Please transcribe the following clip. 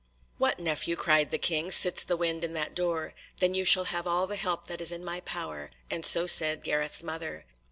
"What, nephew," cried the King, "sits the wind in that door? Then you shall have all the help that is in my power," and so said Gareth's mother.